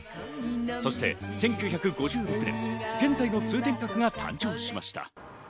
そして１９５６年、現在の通天閣が誕生しました。